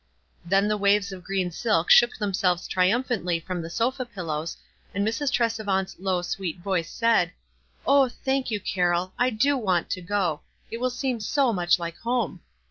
Then the waves of green silk shook them selves triumphantly from the sofa pillows, and Mrs. Tresevant's low, sweet voice said, — "Oh, thank you, Carroll ! I do want to go ; it will seem so much like home."